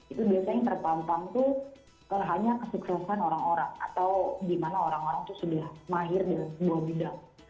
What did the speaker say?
itu biasanya yang terpampang tuh hanya kesuksesan orang orang atau di mana orang orang itu sudah mahir dalam sebuah bidang